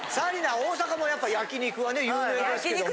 大阪もやっぱ焼き肉はね有名ですけども。